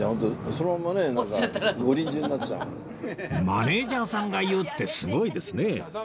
マネージャーさんが言うってすごいですね